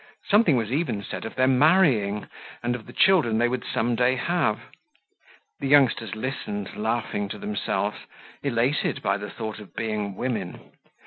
Something was even said of their marrying, and of the children they would some day have. The youngsters listened, laughing to themselves, elated by the thought of being women.